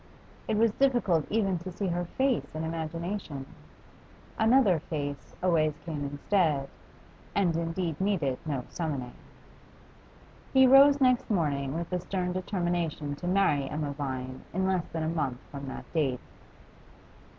It was difficult even to see her face in imagination; another face always came instead, and indeed needed no summoning. He rose next morning with a stern determination to marry Emma Vine in less than a month from that date.